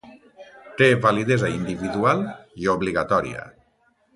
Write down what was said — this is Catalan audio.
Té validesa individual i obligatòria.